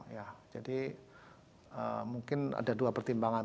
ya jadi mungkin ada dua pertimbangan